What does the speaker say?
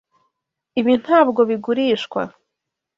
Ibi ntabwo bigurishwa.